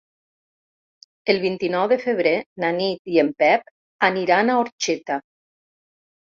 El vint-i-nou de febrer na Nit i en Pep aniran a Orxeta.